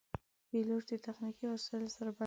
پیلوټ د تخنیکي وسایلو سره بلد وي.